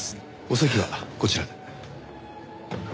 お席はこちらで。